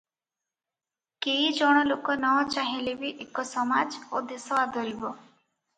କେଇଜଣ ଲୋକ ନ ଚାହିଁଲେ ବି ଏକ ସମାଜ ଓ ଦେଶ ଆଦରିବ ।